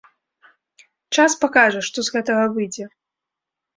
Час пакажа, што з гэтага выйдзе.